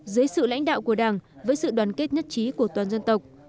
dưới sự lãnh đạo của đảng với sự đoàn kết nhất trí của toàn dân tộc